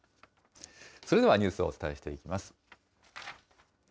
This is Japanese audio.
それではニュースをお伝えしていきます。